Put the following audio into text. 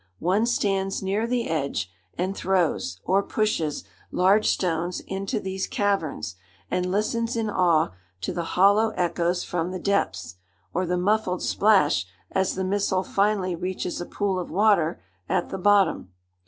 One stands near the edge and throws, or pushes, large stones into these caverns, and listens in awe to the hollow echoes from the depths, or the muffled splash as the missile finally reaches a pool of water at the bottom.